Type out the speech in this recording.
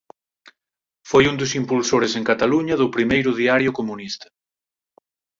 Foi un dos impulsores en Cataluña do primeiro diario comunista.